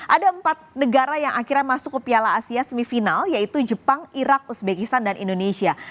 ada empat negara yang akhirnya masuk ke piala asia semifinal yaitu jepang irak uzbekistan dan indonesia